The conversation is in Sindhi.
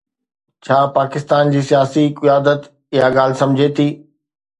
ڇا پاڪستان جي سياسي قيادت اها ڳالهه سمجهي ٿي؟